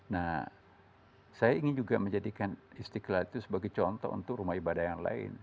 nah saya ingin juga menjadikan istiqlal itu sebagai contoh untuk rumah ibadah yang lain